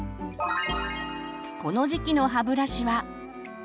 この時期の歯ブラシは。